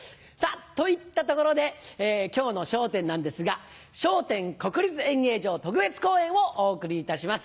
といったところで今日の『笑点』なんですが『笑点』×国立演芸場特別公演をお送りいたします。